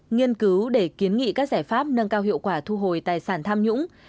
nghiên cứu để kiến nghị các giải pháp nâng cao hiệu quả thu hồi tài sản tham nhũng